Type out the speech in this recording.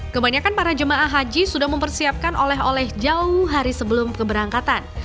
kebanyakan para jemaah haji sudah mempersiapkan oleh oleh jauh hari sebelum keberangkatan